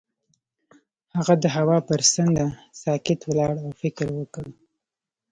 هغه د هوا پر څنډه ساکت ولاړ او فکر وکړ.